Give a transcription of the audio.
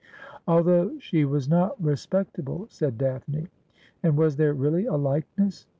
' Although she was not respectable,' said Daphne. ' And was there really a likeness